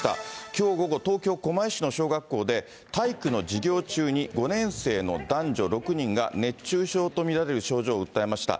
きょう午後、東京・狛江市の小学校で、体育の授業中に５年生の男女６人が熱中症と見られる症状を訴えました。